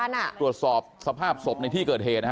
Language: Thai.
ที่เขาไปตรวจสอบสภาพศพในที่เกิดเหตุนะฮะ